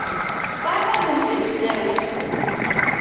Tesɛiḍ allen d tizegzawin.